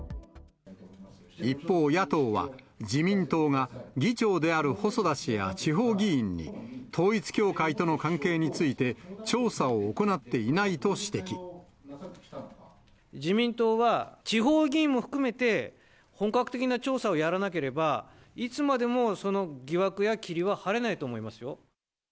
一方、野党は自民党が議長である細田氏や地方議員に、統一教会との関係について、自民党は、地方議員も含めて、本格的な調査をやらなければ、いつまでもその疑惑や霧は晴れないと思いますよ。